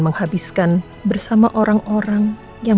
menghabiskan bersama orang orang yang